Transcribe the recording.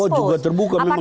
oh juga terbuka memang